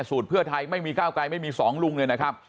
เพื่อไทยไม่มีก้าวไกลไม่มีสองลุงเลยนะครับ